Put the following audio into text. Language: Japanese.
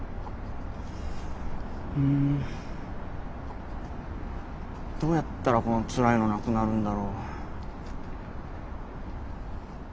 うんどうやったらこのつらいのなくなるんだろう。